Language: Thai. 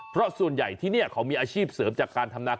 เพราะส่วนใหญ่ที่นี่เขามีอาชีพเสริมจากการทำนา